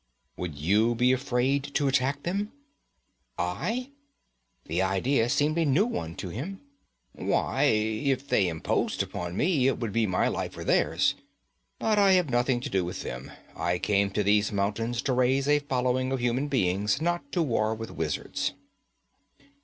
'Would you be afraid to attack them?' 'I?' The idea seemed a new one to him. 'Why, if they imposed upon me, it would be my life or theirs. But I have nothing to do with them. I came to these mountains to raise a following of human beings, not to war with wizards.'